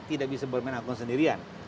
tidak bisa bermain akun sendirian